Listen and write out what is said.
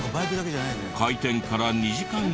開店から２時間半。